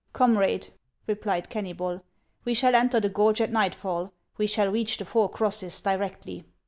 " Comrade," replied Kennybol, " we shall enter the gorge at nightfall ; we shall reach the Four Crosses directly."